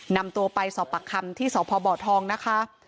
นำตัวไปส่อปักครรภ์ที่สหพบ่อทองนะคะ